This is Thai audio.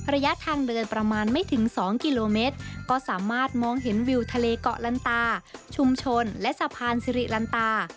ระยะทางเดินประมาณไม่ถึง๒กิโลเมตรก็สามารถมองเห็นวิวทะเลเกาะลันตาชุมชนและสะพานสิริลันตา